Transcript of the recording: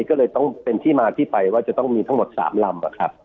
ก็เลยต้องเป็นที่มาที่ไปว่าจะต้องมีทั้งหมด๓ลำ